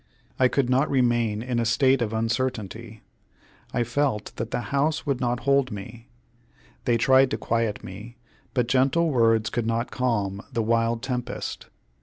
I could not remain in a state of uncertainty. I felt that the house would not hold me. They tried to quiet me, but gentle words could not calm the wild tempest.